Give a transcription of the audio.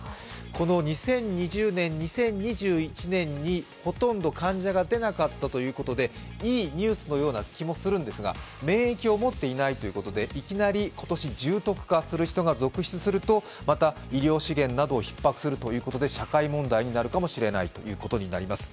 この２０２０年、２０２１年にほとんど患者が出なかったということでいいニュースのような気もするんですが免疫を持っていないということでいきなり今年、重篤化する人が続出すると、また医療資源などをひっ迫するということで社会問題になるかもしれないということになります。